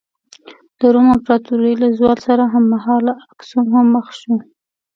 د روم امپراتورۍ له زوال سره هممهاله اکسوم هم مخ شو.